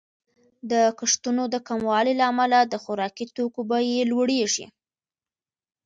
د کښتونو د کموالي له امله د خوراکي توکو بیې لوړیږي.